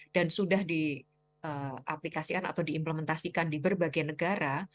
dan sudah diimplementasikan di berbagai negara